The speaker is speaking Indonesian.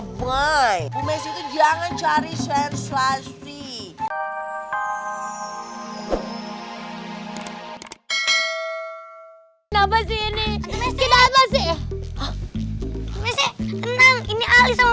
bu messi tenang ini ali sama bella